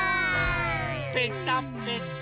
ぺたぺた。